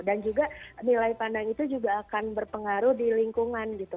dan juga nilai pandang itu juga akan berpengaruh di lingkungan gitu